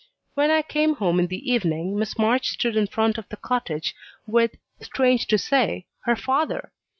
When I came home in the evening Miss March stood in front of the cottage, with strange to say her father.